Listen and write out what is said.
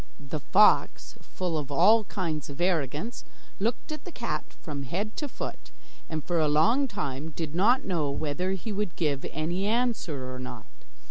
The fox, full of all kinds of arrogance, looked at the cat from head to foot, and for a long time did not know whether he would give any answer or not.